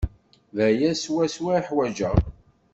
D aya swaswa i uḥwajeɣ.